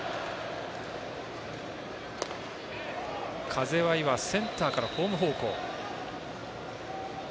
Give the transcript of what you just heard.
風は今、センターからホーム方向。